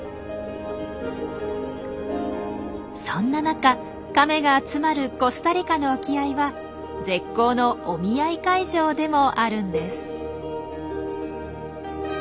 そんな中カメが集まるコスタリカの沖合は絶好のお見合い会場でもあるんです。